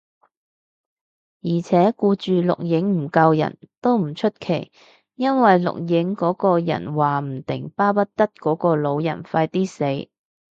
而且，顧住錄影唔救人，都唔出奇，因為錄影嗰個人話唔定巴不得嗰個老人快啲死